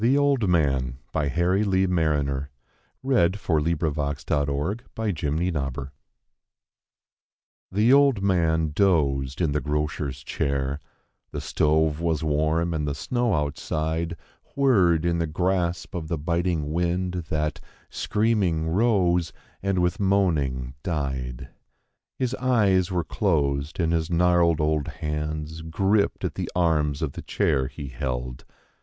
But my! How much you have to learn about a woman's tears!" ( [fa(r >vt ■ a\' ) Vvs^ OLD man dozed in the grocer's chair; the stove was warm, and the snow outside Whirred in the grasp of the biting wind that, screaming, rose and with moaning died. His eyes were closed and his gnarled old hands gripped at the arms of the chair he held.